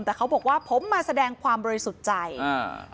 แต่เขาบอกว่าผมมาแสดงความบริสุทธิ์ใจอ่า